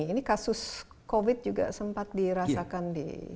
ini kasus covid juga sempat dirasakan di